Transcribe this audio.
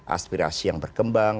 aspirasi yang berkembang